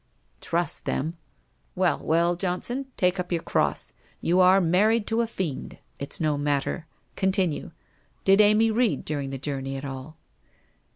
' Trust them ! Well, well, Johnson, take up your cross. You are married to a fiend. It's no matter. Continue. Did Amy read during the journey at all